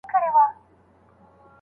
سوداګري له روسیې سره مه کوئ.